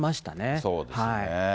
そうですね。